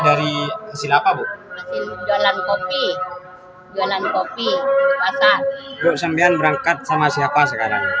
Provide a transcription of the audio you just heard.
dari silap abu jalan kopi jalan kopi pasal untuk sembian berangkat sama siapa sekarang